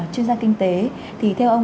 chuyên gia kinh tế thì theo ông